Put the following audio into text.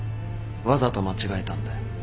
わざと間違えたんだよ。